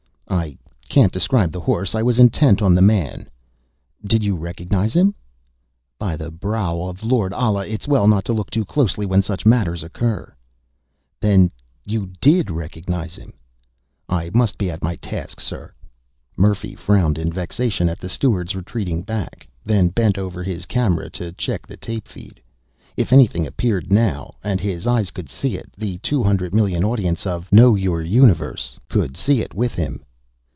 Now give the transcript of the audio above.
"I can't describe the horse. I was intent on the man." "Did you recognize him?" "By the brow of Lord Allah, it's well not to look too closely when such matters occur." "Then you did recognize him!" "I must be at my task, sir." Murphy frowned in vexation at the steward's retreating back, then bent over his camera to check the tape feed. If anything appeared now, and his eyes could see it, the two hundred million audience of Know Your Universe! could see it with him.